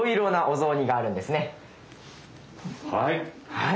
はい。